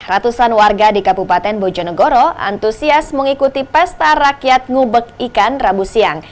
ratusan warga di kabupaten bojonegoro antusias mengikuti pesta rakyat ngubek ikan rabu siang